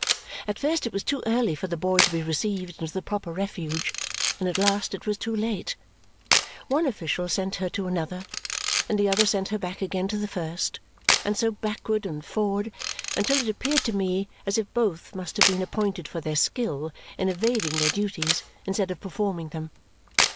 At first it was too early for the boy to be received into the proper refuge, and at last it was too late. One official sent her to another, and the other sent her back again to the first, and so backward and forward, until it appeared to me as if both must have been appointed for their skill in evading their duties instead of performing them.